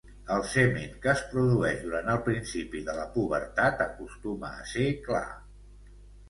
El semen que es produeix durant el principi de la pubertat acostuma a ser clar.